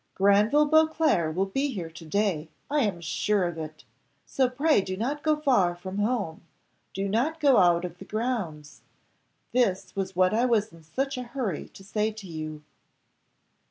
Granville Beauclerc will be here to day I am sure of it. So pray do not go far from home do not go out of the grounds: this was what I was in such a hurry to say to you."